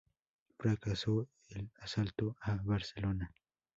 Fracasa el asalto a Barcelona.